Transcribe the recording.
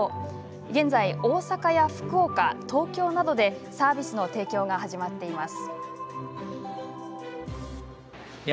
現在、大阪や福岡、東京などでサービスの提供が始まっています。